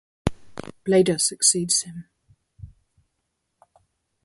Bleda succeeds him.